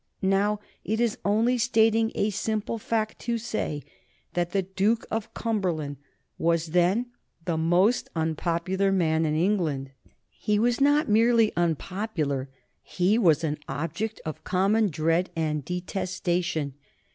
Now it is only stating a simple fact to say that the Duke of Cumberland was then the most unpopular man in England. He was not merely unpopular, he was an object of common dread and detestation.